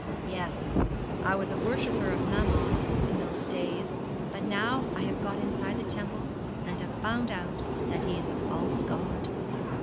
'Yes, I was a worshipper of Mammon in those days; but now I have got inside the temple and have found out that he is a false god.'